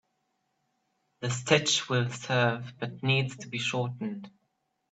The stitch will serve but needs to be shortened.